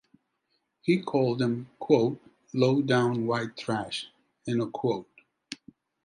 He called them "low down white trash".